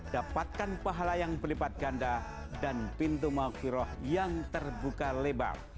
dapatkan pahala yang pelipat ganda dan pintu makfiroh yang terbuka lebar